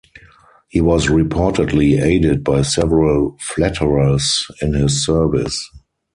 He was reportedly aided by several flatterers in his service.